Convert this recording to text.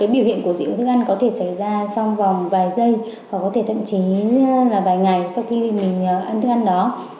biểu hiện của dị ứng thức ăn có thể xảy ra trong vòng vài giây hoặc có thể thậm chí là vài ngày sau khi mình ăn thức ăn đó